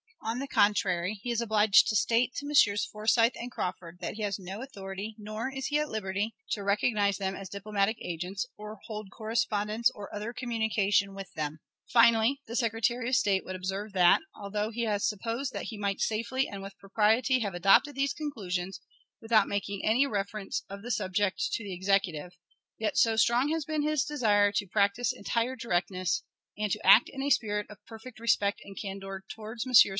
On the contrary, he is obliged to state to Messrs. Forsyth and Crawford that he has no authority, nor is he at liberty, to recognize them as diplomatic agents, or hold correspondence or other communication with them. Finally, the Secretary of State would observe that, although he has supposed that he might safely and with propriety have adopted these conclusions, without making any reference of the subject to the Executive, yet, so strong has been his desire to practice entire directness, and to act in a spirit of perfect respect and candor toward Messrs.